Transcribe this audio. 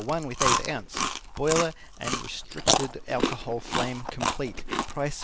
1 with 8 oz. Boiler and restricted Alcohol Flame, Complete Price $1.